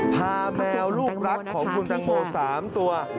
พาแมวรูปรักของคุณแตงโมสามตัว